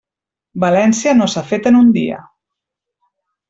València no s'ha fet en un dia.